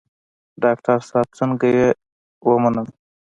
ډاکتر صاحب څنګه يې ومنم.